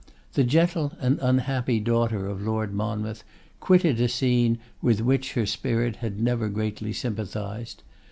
The gentle and unhappy daughter of Lord Monmouth quitted a scene with which her spirit had never greatly sympathised.